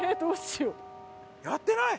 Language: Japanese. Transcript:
やってない？